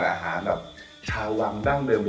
เราจะลดให้๑๐